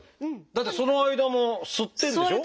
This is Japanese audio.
だってその間も吸ってるんでしょ？